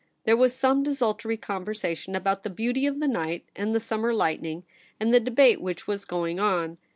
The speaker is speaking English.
There was some desultory conversation about the beauty of the night and the summer lightning, and the debate which was going on.